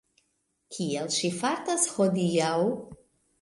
Kiel ŝi fartas hodiaŭ?